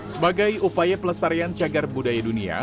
sebagai upaya pelestarian cagar budaya dunia